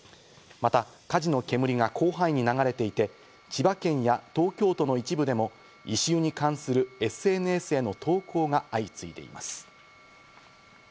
また、火事の煙が広範囲に流れていて、千葉県や東京都の一部でも異臭に関するＳＮＳへの投稿が相次いでいます。